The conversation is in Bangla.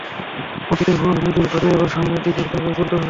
অতীতের ভুলভ্রান্তি দূর করে এবার সামনের দিকে নতুন করে চলতে হবে।